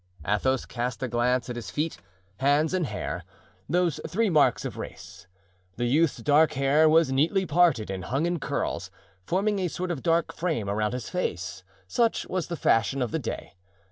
Athos cast a glance at his feet, hands and hair—those three marks of race. The youth's dark hair was neatly parted and hung in curls, forming a sort of dark frame around his face; such was the fashion of the day.